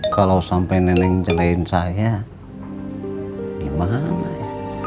kalau sampai nenek ngejalain saya gimana ya